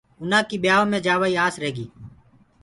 اُنآ ڪي ٻيآئوُ مي جآوآ ڪيٚ آس رهيگي۔